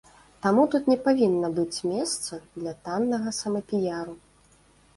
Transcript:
Таму тут не павінна быць месца для таннага самапіяру.